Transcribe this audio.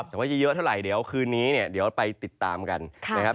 แต่ว่าจะเยอะเท่าไหร่เดี๋ยวคืนนี้เนี่ยเดี๋ยวไปติดตามกันนะครับ